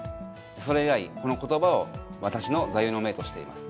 それ以来この言葉を私の座右の銘としています。